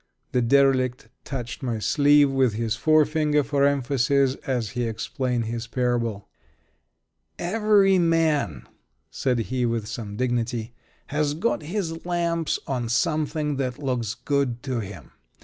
The derelict touched my sleeve with his forefinger, for emphasis, as he explained his parable. "Every man," said he, with some dignity, "has got his lamps on something that looks good to him.